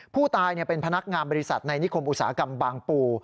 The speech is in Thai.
ผู้ตายเป็นพนักงานบริษัทในนิคมอุตสาหกรรมบางปู